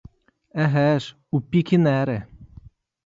Еге ж, у пікінери.